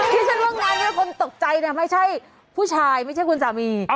ที่ฉันว่างานนี้คนตกใจเนี่ยไม่ใช่ผู้ชายไม่ใช่คุณสามี